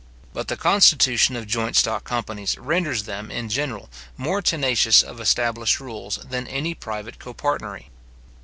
But the constitution of joint stock companies renders them in general, more tenacious of established rules than any private copartnery.